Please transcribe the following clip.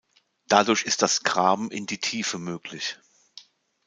Dadurch ist das Graben in die Tiefe möglich.